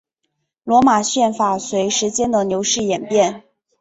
罗马宪法随着时间的流逝演变。